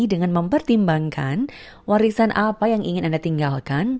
dengan mempertimbangkan warisan apa yang ingin anda tinggalkan